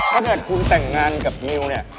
ถ้าเกิดคุณแต่งงานกับนิวเนี่ย